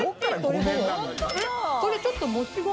これちょっともち米？